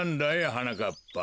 はなかっぱ。